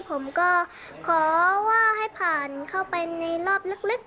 ผมก็ขอว่าให้ผ่านเข้าไปในรอบลึก